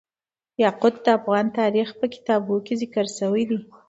یاقوت د افغان تاریخ په کتابونو کې ذکر شوی دي.